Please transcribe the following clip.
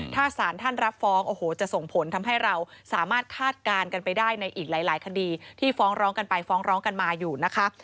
ถ้าสารท่านรับฟ้องโอ้โหจะส่งผลทำให้เราสามารถคาดการณ์กันไปได้ในอีกหลายคดีที่ฟ้องร้องกันไปฟ้องร้องกันมาอยู่นะคะ